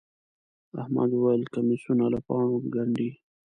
احمد وويل: کمیسونه له پاڼو گنډي.